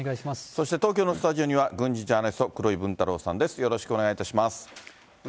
そして東京のスタジオには、軍事ジャーナリスト、黒井文太郎さんです、よろしくお願いいたします。